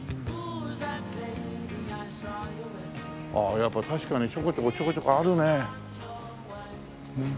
やっぱ確かにちょこちょこちょこちょこあるね。